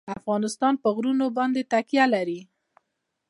افغانستان په غرونه باندې تکیه لري.